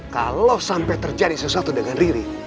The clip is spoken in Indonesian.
kalau sampai terjadi sesuatu dengan riri